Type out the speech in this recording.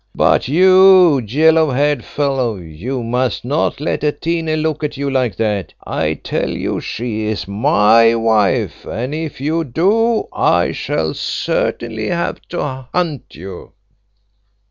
But you yellow haired fellow, you must not let Atene look at you like that. I tell you she is my wife, and if you do, I shall certainly have to hunt you."